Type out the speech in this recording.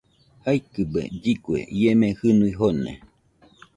Jaikɨbe lligue, ie mei jɨnui joone.